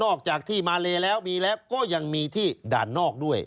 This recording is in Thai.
ออกจากที่มาเลแล้วมีแล้วก็ยังมีที่ด่านนอกด้วย